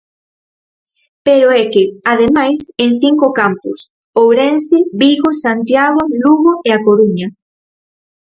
Pero é que, ademais, en cinco campus: Ourense, Vigo, Santiago, Lugo e A Coruña.